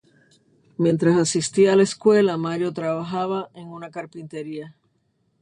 Mientras asistía a la escuela, Mario trabajaba en una carpintería.